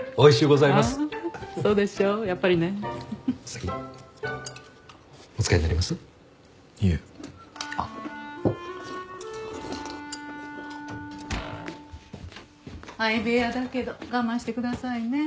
相部屋だけど我慢してくださいね。